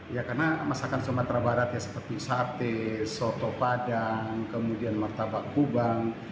ya karena masakan sumatera barat ya seperti sate soto padang kemudian martabak kubang